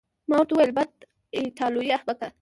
ما ورته وویل: بد، ایټالوی احمق.